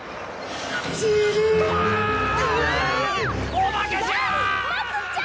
お化けじゃ！